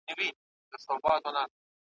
هغه څوک چــي کلــــــه قهــــر کنـــــنده سي